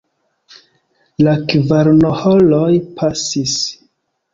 La kvaronhoroj pasis.